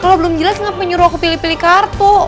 kalau belum jelas kenapa nyuruh aku pilih pilih kartu